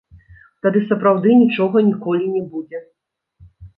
Тады сапраўды нічога ніколі не будзе.